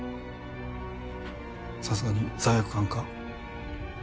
さすがに罪悪感か？